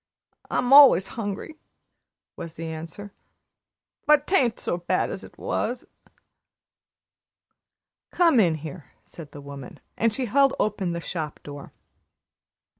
"I'm allus 'ungry," was the answer; "but 'tain't so bad as it was." "Come in here," said the woman, and she held open the shop door.